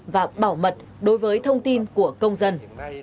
và bảo mật đối với thông tin của công dân